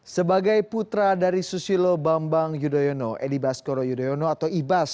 sebagai putra dari susilo bambang yudhoyono edi baskoro yudhoyono atau ibas